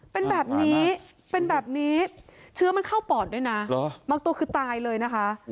เป็นแบบนี้เป็นแบบนี้เชื้อมันเข้าปอดด้วยนะบางตัวคือตายเลยนะคะ